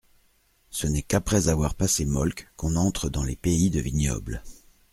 Ce n'est qu'après avoir passé Molck qu'on entre dans les pays de vignobles.